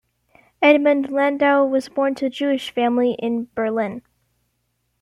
Edmund Landau was born to Jewish family in Berlin.